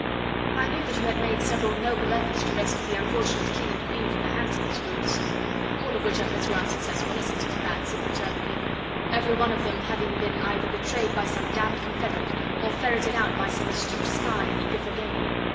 "I knew that you had made several noble efforts to rescue the unfortunate King and Queen from the hands of these brutes." "All of which efforts were unsuccessful," assented de Batz imperturbably, "every one of them having been either betrayed by some d d confederate or ferreted out by some astute spy eager for gain.